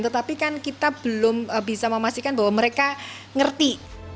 tetapi kan kita belum bisa memastikan bahwa mereka ngerti